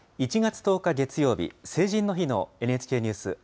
１月１０日月曜日、成人の日のＮＨＫニュース